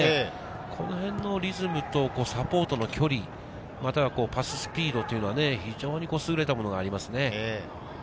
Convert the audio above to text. この辺のリズムとサポートの距離、パススピードっていうのは非常に優れたものがありますね。